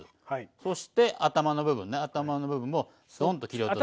そして頭の部分ね頭の部分をストンと切り落とす。